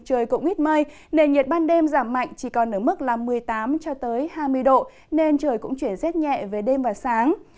trời cũng ít mây nên nhiệt ban đêm giảm mạnh chỉ còn ở mức một mươi tám hai mươi độ nên trời cũng chuyển rất nhẹ về đêm và sáng